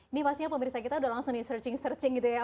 ini pastinya pemeriksa kita sudah langsung searching searching gitu ya